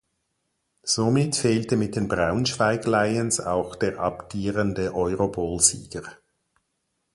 Somit fehlte mit den Braunschweig Lions auch der amtierende Eurobowl-Sieger.